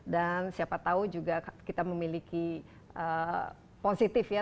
dan siapa tahu juga kita memiliki positif ya